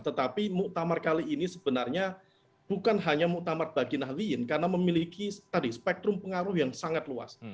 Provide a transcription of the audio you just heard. tetapi muktamar kali ini sebenarnya bukan hanya muktamar bagi nahliin karena memiliki tadi spektrum pengaruh yang sangat luas